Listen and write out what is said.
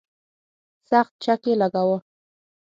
سخت چک یې لګاوه.